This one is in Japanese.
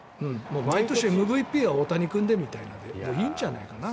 毎年ＭＶＰは大谷君でみたいなのでいいんじゃないかな。